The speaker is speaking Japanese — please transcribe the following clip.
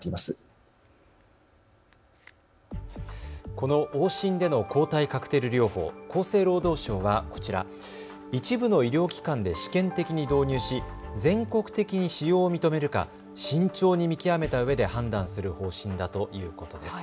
この往診での抗体カクテル療法、厚生労働省はこちら、一部の医療機関で試験的に導入し全国的に使用を認めるか慎重に見極めたうえで判断する方針だということです。